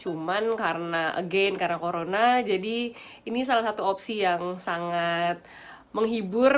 cuman karena again karena corona jadi ini salah satu opsi yang sangat menghibur